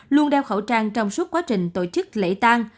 luôn đeo khẩu trang trong suốt quá trình tổ chức lễ tang